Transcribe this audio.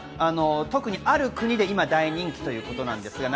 特にある国で今、大人気ということです。